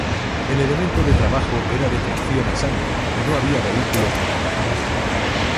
El elemento de trabajo era de tracción a sangre y no había vehículos motorizados.